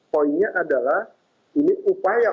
poinnya adalah ini upaya